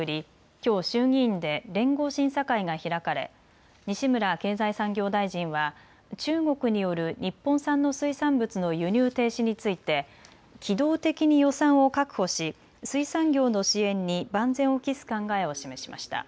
きょう衆議院で連合審査会が開かれ西村経済産業大臣は中国による日本産の水産物の輸入停止について機動的に予算を確保し水産業の支援に万全を期す考えを示しました。